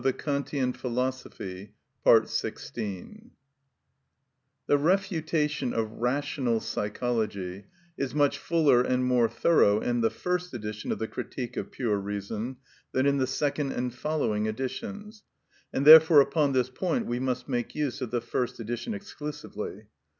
‐‐‐‐‐‐‐‐‐‐‐‐‐‐‐‐‐‐‐‐‐‐‐‐‐‐‐‐‐‐‐‐‐‐‐‐‐ The refutation of rational psychology is much fuller and more thorough in the first edition of the "Critique of Pure Reason" than in the second and following editions, and therefore upon this point we must make use of the first edition exclusively.